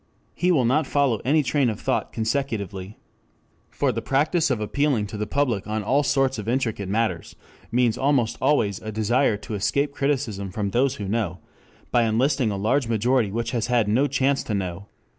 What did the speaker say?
He will not follow any train of thought consecutively. For the practice of appealing to the public on all sorts of intricate matters means almost always a desire to escape criticism from those who know by enlisting a large majority which has had no chance to know.